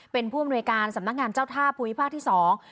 เป็นผู้อำนวยการสำนักงานเจ้าท่าภูมิภาคที่สอง